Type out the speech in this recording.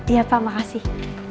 iya pak makasih